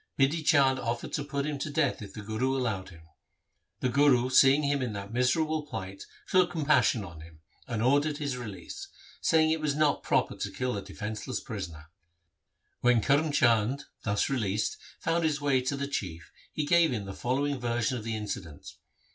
Bidhi Chand offered to put him to death if the Guru allowed him. The Guru seeing him in that miserable plight took compassion on him, and ordered his release, saying it was not proper to kill a defenceless prisoner. When Karm Chand, thus released, found his way to the Chief he gave him the following version of the incident.